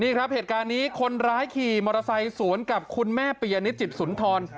นี่ครับเหตุการณ์นี้คนร้ายขี่มอเตอร์ไซค์สวนกับคุณแม่ปียนิจิตสุนทร